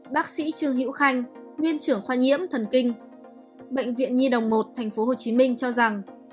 bác sĩ trương hữu khanh nguyên trưởng khoa nhiễm thần kinh bệnh viện nhi đồng một tp hcm cho rằng